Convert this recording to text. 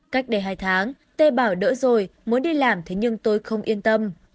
cách đây hai tháng tê bảo đỡ rồi muốn đi làm thế nhưng tôi không yên tâm